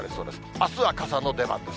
あすは傘の出番です。